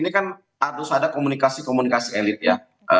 ini kan harus ada komunikasi komunikasi elit ya